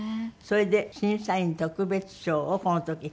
それで審査員特別賞をこの時。